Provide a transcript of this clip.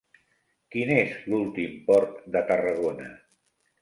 Quin és l'últim port de Tarragona?